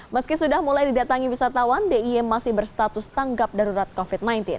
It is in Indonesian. meski sudah mulai didatangi wisatawan diy masih berstatus tanggap darurat covid sembilan belas